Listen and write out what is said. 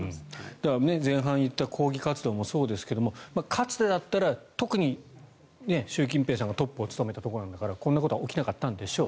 だから前半言った抗議活動もそうですがかつてだったら特に習近平さんがトップを務めたところなんだからこんなことは起きなかったんでしょう。